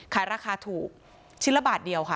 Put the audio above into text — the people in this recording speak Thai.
ขายราคาถูกชิ้นละบาทเดียวค่ะ